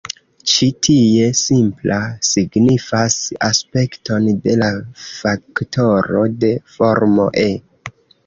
Ĉi tie, 'simpla' signifas aspekton de la faktoro de formo "e".